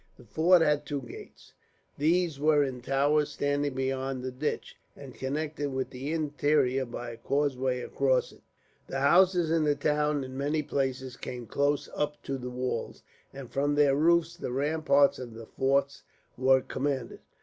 The fort had two gates. These were in towers standing beyond the ditch, and connected with the interior by a causeway across it. The houses in the town in many places came close up to the walls, and from their roofs the ramparts of the forts were commanded.